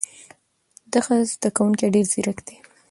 دغه زده کوونکی ډېر ځیرک دی.